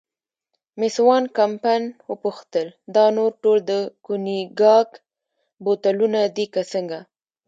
مېس وان کمپن وپوښتل: دا نور ټول د کونیګاک بوتلونه دي که څنګه؟